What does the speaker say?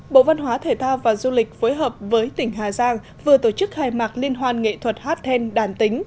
bộ văn hóa thể thao và du lịch phối hợp với tỉnh hà giang vừa tổ chức khai mạc liên hoan nghệ thuật hát then đàn tính